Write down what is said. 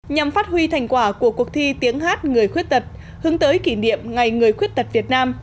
nhằm phát huy thành quả của cuộc thi tiếng hát người khuyết tật hướng tới kỷ niệm ngày người khuyết tật việt nam